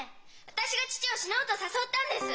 私が父を「死のう」と誘ったんです！